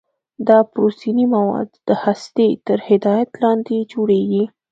دا پروتیني مواد د هستې تر هدایت لاندې جوړیږي.